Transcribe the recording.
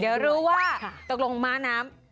เดี๋ยวรู้ว่าตกลงม้าน้ำ